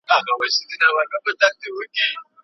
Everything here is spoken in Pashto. په جرمني کې یوه سړي د سفر لپاره قانوني اجازه واخیسته.